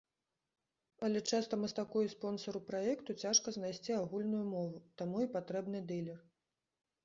Але часта мастаку і спонсару праекту цяжка знайсці агульную мову, таму і патрэбны дылер.